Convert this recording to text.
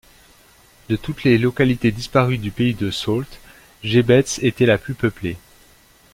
De toutes les localités disparues du pays de Sault, Gébetz était la plus peuplée.